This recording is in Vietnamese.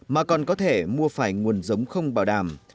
mà còn có thể mua phải nguồn giống không bảo đảm